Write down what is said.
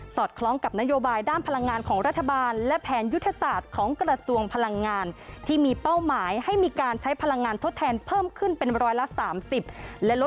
สอดคล้องกับนโยบายด้านพลังงานของรัฐบาล